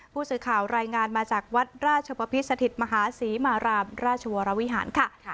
ผู้สื่อข่าวรายงานมาจากวัดราชปภิษสถิตมหาศรีมารามราชวรวิหารค่ะ